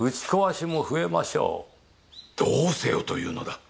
どうせよというのだ？